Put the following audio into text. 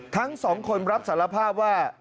ทั้งสองคนรับสารภาพว่า